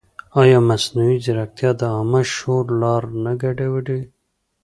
ایا مصنوعي ځیرکتیا د عامه شعور لار نه ګډوډوي؟